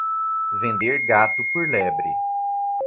Vender gato por lebre.